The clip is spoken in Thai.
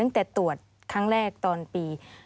ตั้งแต่ตรวจครั้งแรกตอนปี